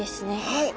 はい。